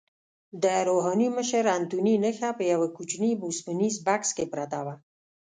د روحاني مشر انتوني نخښه په یوه کوچني اوسپنیز بکس کې پرته وه.